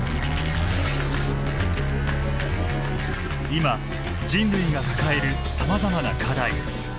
今人類が抱えるさまざまな課題。